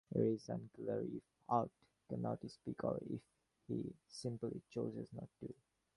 It is unclear if Art "cannot" speak or if he simply chooses not to.